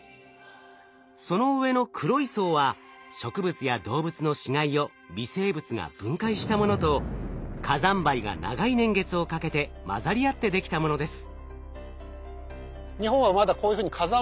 その上の黒い層は植物や動物の死骸を微生物が分解したものと火山灰が長い年月をかけて混ざり合ってできたものです。